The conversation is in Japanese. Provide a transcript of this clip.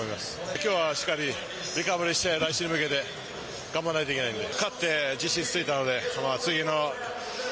きょうはしっかりリカバリーして、来週に向けて、頑張らないといけないんで。